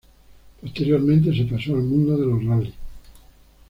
Posteriormente se pasó al mundo de los rallies.